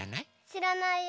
しらないよ。